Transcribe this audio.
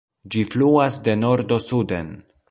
Ĝi fluas de nordo suden.